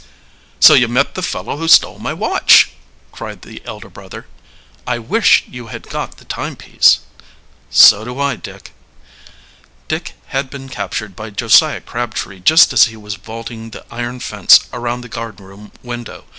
"So you met the fellow who stole my watch!" cried the elder brother. "I wish you had got the timepiece." "So do I, Dick." Dick had been captured by Josiah Crabtree just as he was vaulting the iron fence around the guardroom window.